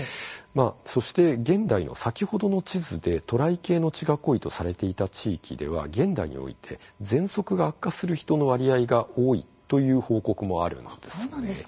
そして、現代の先ほどの地図で渡来系の血が濃いとされていた地域では、現代においてぜんそくが悪化する人の割合が多いという報告もあるんです。